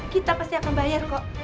kita pasti akan bayar kok